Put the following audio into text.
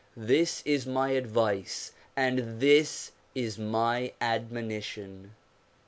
This is my advice and this is my admonition.